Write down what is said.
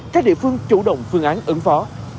các địa phương chủ động phương án ứng phó